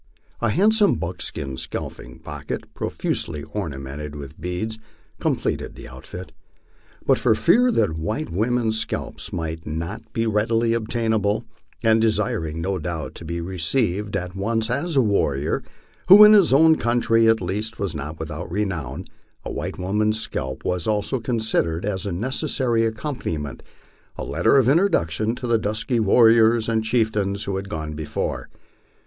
A handsome buckskin seal ping pocket, profusely ornamented witli beads, com pleted the outfit. But for fear that white women's scalps might not be readily obtainable, and desiring no doubt to be received at once as a warrior, who in his o\vn country at least was not without renown, a white woman's scalp was also considered as a necessary accompaniment, a letter of introduction to the dusk} r warriors and chieftains who had gone before.